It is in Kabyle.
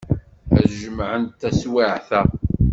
Ad jemɛent taswiɛt-a.